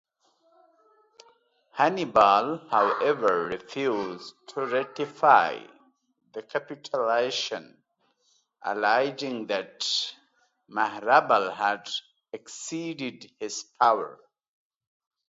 Hannibal, however, refused to ratify the capitulation, alleging that Maharbal had exceeded his powers.